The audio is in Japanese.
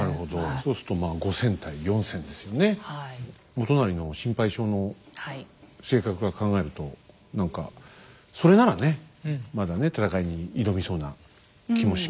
元就の心配性の性格から考えると何かそれならねまだね戦いに挑みそうな気もしますけどね。